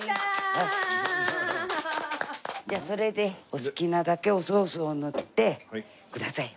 じゃあそれでお好きなだけおソースを塗ってください。